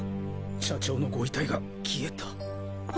社長のご遺体が消えた。